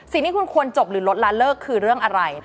สิ่งที่คุณควรจบหรือลดละเลิกคือเรื่องอะไร